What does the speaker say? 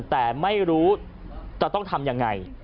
แต่ไม่รู้จะต้องทำยังไง